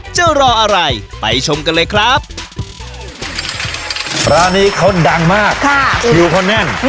จะรออะไรไปชมกันเลยครับร้านนี้เขาดังมากค่ะคิวเขาแน่น